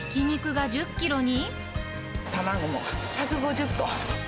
卵も１５０個。